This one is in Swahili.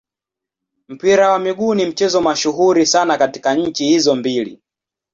Mpira wa miguu ni mchezo mashuhuri sana katika nchi hizo mbili.